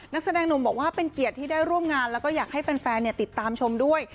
นักแสดงหนุ่มบอกว่าเป็นเกียรติที่ได้ร่วมงานแล้วก็อยากให้แฟนติดตามชมด้วย